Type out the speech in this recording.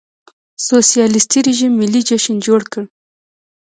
سوسیالېستي رژیم ملي جشن جوړ کړ.